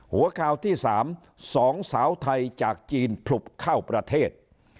หัวข่าวที่๓๒สาวไทยจากจีนผลุบเข้าประเทศ